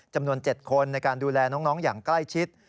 จำนวน๗คนในการดูแลน้องอย่างใกล้ชิด